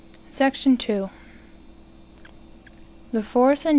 SECTION II. The force and.